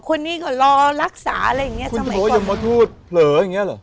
คนนี้ก็รอรักษาอะไรอย่างเงี้ยสมัยก่อนคุณรู้ว่ายุมทูตเผลออย่างเงี้ยเหรอ